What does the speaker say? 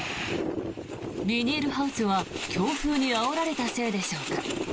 ビニールハウスは強風にあおられたせいでしょうか